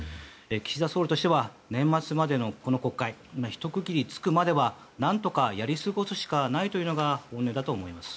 岸田総理としては年末までのこの国会ひと区切りつくまでは、何とかやり過ごすしかないというのが本音だと思います。